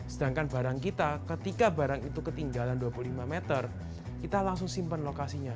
sedangkan barang kita ketika barang itu ketinggalan dua puluh lima meter kita langsung simpan lokasinya